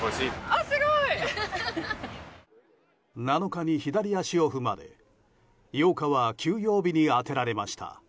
７日に左足を踏まれ８日は休養日に充てられました。